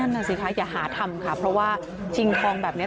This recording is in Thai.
น่ะสิคะอย่าหาทำค่ะเพราะว่าชิงทองแบบนี้